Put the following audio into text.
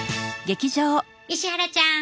石原ちゃん